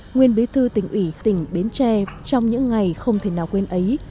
nguyên bí thư tỉnh ủy tỉnh bến tre trong những ngày không thể nào quên ấy